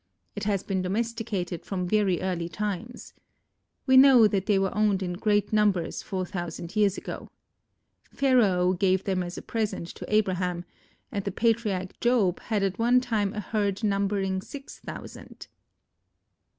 It has been domesticated from very early times. We know that they were owned in great numbers four thousand years ago. Pharaoh gave them as a present to Abraham and the patriarch Job had at one time a herd numbering six thousand.